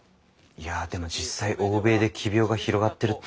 いやでも実際欧米で奇病が広がってるって。